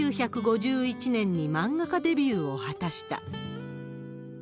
１９５１年に漫画家デビューを果たした。